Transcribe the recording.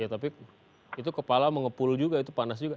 tapi itu kepala mengepul juga itu panas juga